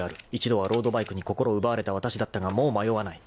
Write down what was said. ［１度はロードバイクに心奪われたわたしだったがもう迷わない。